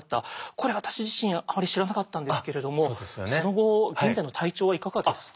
これ私自身あまり知らなかったんですけれどもその後現在の体調はいかがですか？